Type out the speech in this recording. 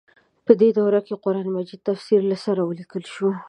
په دې دوره کې د قران مجید تفسیر له سره ولیکل شو.